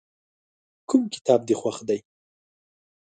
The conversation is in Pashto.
کوم کتاب دې خوښ دی؟